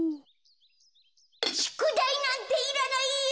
しゅくだいなんていらないよ！